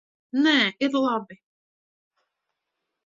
Nē, ir labi.